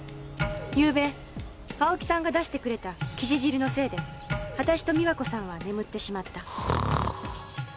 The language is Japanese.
ゆうべ青木さんが出してくれたキジ汁のせいで私と美和子さんは眠ってしまった。